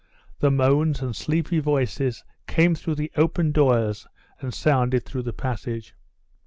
The moans and sleepy voices came through the open doors and sounded through the passage.